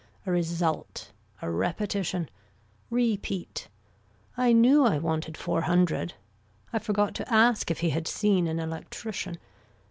A result. A repetition. Repeat. I knew I wanted four hundred. I forgot to ask if he had seen an electrician.